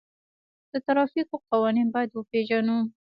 د ترافیکو قوانین باید وپیژنو.